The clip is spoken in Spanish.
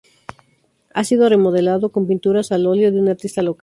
Ha sido remodelado con pinturas al óleo de un artista local.